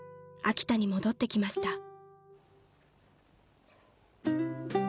秋田に戻ってきました］